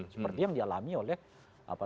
seperti yang dialami oleh bung inas